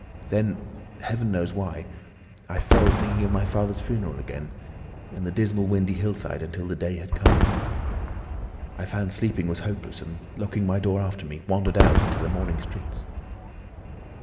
"Then—Heaven knows why—I fell thinking of my father's funeral again, and the dismal windy hillside, until the day had come. I found sleeping was hopeless, and, locking my door after me, wandered out into the morning streets."